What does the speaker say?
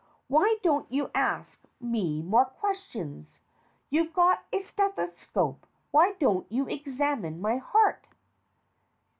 Why don't you ask me more questions ? You've got a steth oscope why don't you examine my heart?